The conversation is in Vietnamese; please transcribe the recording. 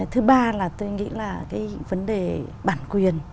thứ ba là tôi nghĩ là cái vấn đề bản quyền